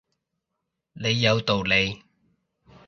你有道理